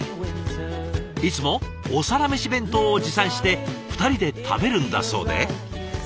いつも「お皿メシ弁当」を持参して２人で食べるんだそうで。